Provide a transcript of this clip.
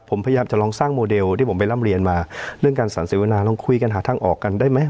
ผมพยายามจะลองสร้างโมเดลที่ผมไปร่ำเรียนมาเรื่องการสรรเสวนาลองคุยกันหาทางออกกันได้ไหม